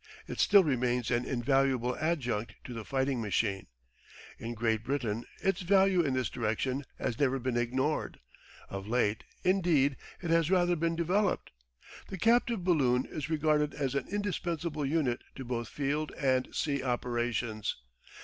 It still remains an invaluable adjunct to the fighting machine. In Great Britain its value in this direction has never been ignored: of late, indeed, it has rather been developed. The captive balloon is regarded as an indispensable unit to both field and sea operations.